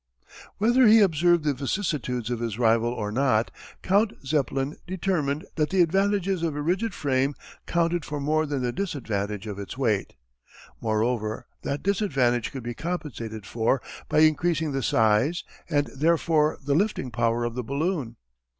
Whether he observed the vicissitudes of his rival or not, Count Zeppelin determined that the advantages of a rigid frame counted for more than the disadvantage of its weight. Moreover that disadvantage could be compensated for by increasing the size, and therefore the lifting power of the balloon.